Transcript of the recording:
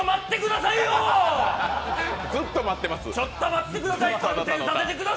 ずっと待ってます。